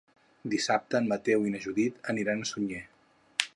Dissabte en Mateu i na Judit aniran a Sunyer.